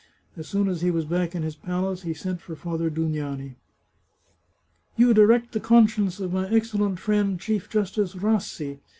As soon as he was back in his palace he sent for Father Dugnani. " You direct the conscience of my excellent friend Chief Justice Rassi.